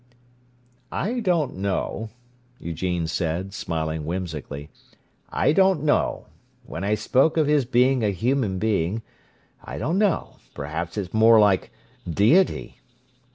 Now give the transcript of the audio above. "I don't know," Eugene said, smiling whimsically. "I don't know. When I spoke of his being a human being—I don't know. Perhaps it's more like deity."